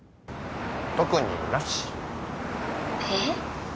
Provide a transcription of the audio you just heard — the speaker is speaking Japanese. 特になし☎えっ？